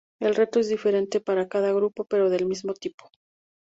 El reto es diferente para cada grupo, pero del mismo tipo.